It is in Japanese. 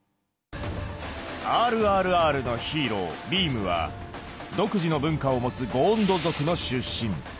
「ＲＲＲ」のヒーロービームは独自の文化を持つゴーンド族の出身。